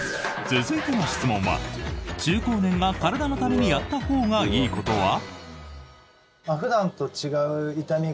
続いての質問は中高年が体のためにやったほうがいいことは？